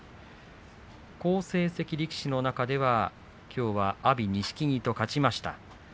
好成績力士の中では阿炎、錦木と勝ちました。